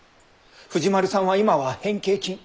藤丸さんは今は変形菌。